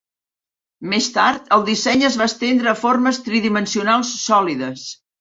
Més tard, el disseny es va estendre a formes tridimensionals sòlides.